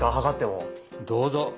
どうぞ！